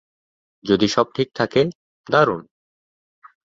যদি সব ঠিক থাকে, দারুণ।